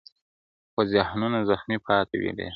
خو ذهنونه زخمي پاتې وي ډېر،